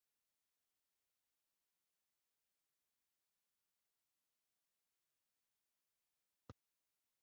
Siz hech qachon iste’dodingizni pesh qilib xalq oldida obro‘ngizni oshirishga urinmagansiz